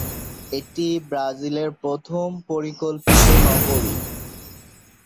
এটি ব্রাজিলের প্রথম পরিকল্পিত নগরী।